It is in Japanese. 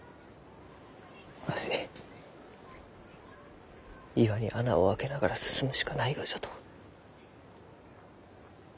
わし岩に穴を開けながら進むしかないがじゃと。